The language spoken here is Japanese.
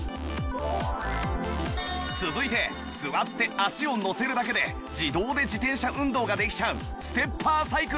続いて座って足をのせるだけで自動で自転車運動ができちゃうステッパーサイクル